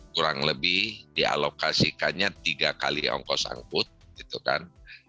kurang lebih dialokasikannya tiga kali ongkos angkut gitu kan